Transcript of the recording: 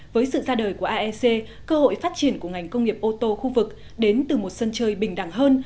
với sự ra đời của aec cơ hội phát triển của ngành công nghiệp ô tô khu vực đến từ một sân chơi bình đẳng hơn